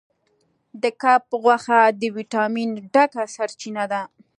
د کب غوښه د ویټامین ډکه سرچینه ده.